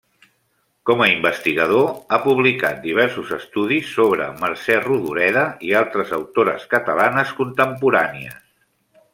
Com a investigador, ha publicat diversos estudis sobre Mercè Rodoreda i altres autores catalanes contemporànies.